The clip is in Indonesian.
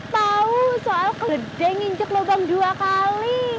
tahu soal keledai nginjak lubang dua kali